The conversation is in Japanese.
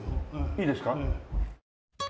いいですか？